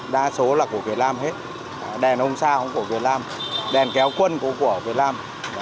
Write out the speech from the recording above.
đa số là của việt nam hết đèn ống sao cũng của việt nam đèn kéo quân cũng của việt nam